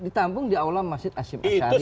ditampung di aulam masjid asyik asyari